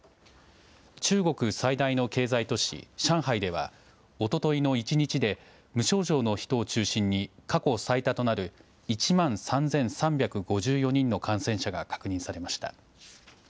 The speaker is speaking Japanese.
中国最大の経済都市、上海ではおとといの一日で無症状の人を中心に過去最多となる１万３３５４人の感染者が確認されました。